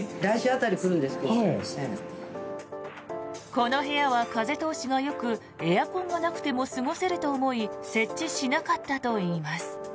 この部屋は風通しがよくエアコンがなくても過ごせると思い設置しなかったといいます。